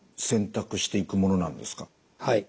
はい。